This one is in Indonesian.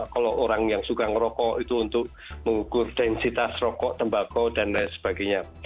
kalau orang yang suka ngerokok itu untuk mengukur densitas rokok tembakau dan lain sebagainya